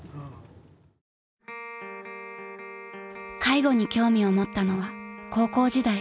［介護に興味を持ったのは高校時代］